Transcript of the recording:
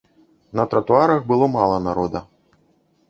На тратуарах было мала народа.